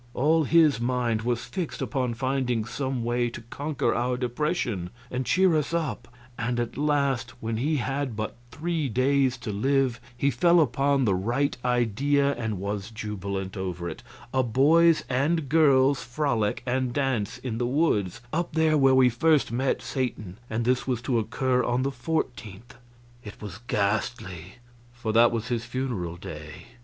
All his mind was fixed upon finding some way to conquer our depression and cheer us up; and at last, when he had but three days to live, he fell upon the right idea and was jubilant over it a boys and girls' frolic and dance in the woods, up there where we first met Satan, and this was to occur on the 14th. It was ghastly, for that was his funeral day.